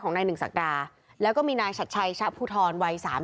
ของนายหนึ่งศักดาแล้วก็มีนายสัตจะใช่ชะพูทรวัย